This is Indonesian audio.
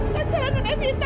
bukan salah nenek evita